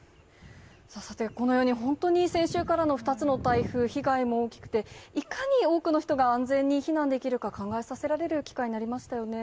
さて、このように本当に先週からの２つの台風、被害も大きくて、いかに多くの人が安全に避難できるか、考えさせられる機会になりましたね。